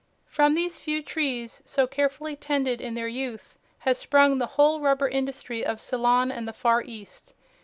From these few trees, so carefully tended in their youth, has sprung the whole rubber industry of Ceylon and the Far East.